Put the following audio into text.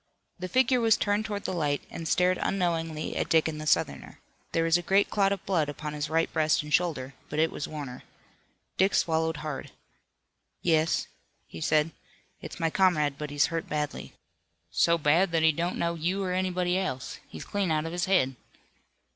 The figure was turned toward the light and stared unknowing at Dick and the Southerner. There was a great clot of blood upon his right breast and shoulder, but it was Warner. Dick swallowed hard. "Yes," he said, "it's my comrade, but he's hurt badly." "So bad that he don't know you or anybody else. He's clean out of his head."